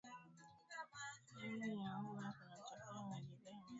Sehemu hiyo huwa kunatokea miujiza kama hiyo